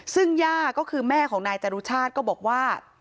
ซึ่งย่าก็คือแม่ของนายจรุชาติก็บอกว่า